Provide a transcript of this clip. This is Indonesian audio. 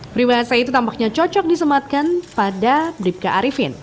peribahasa itu tampaknya cocok disematkan pada dipka arifin